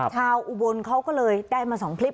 ชาวอุบลเขาก็เลยได้มาสองคลิป